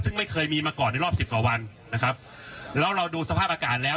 ซึ่งไม่เคยมีมาก่อนในรอบสิบกว่าวันนะครับแล้วเราดูสภาพอากาศแล้ว